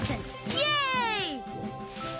イエーイ！